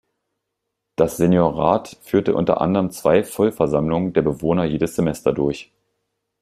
Das Seniorat führt unter anderem zwei Vollversammlungen der Bewohner jedes Semester durch.